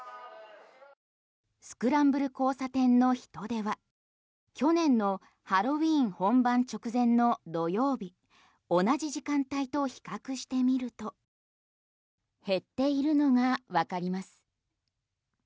スクランブル交差点の人出は去年のハロウィン本番直前の土曜日、同じ時間帯と比較してみると減っているのがわかります。